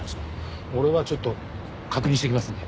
俺はちょっと確認してきますんで。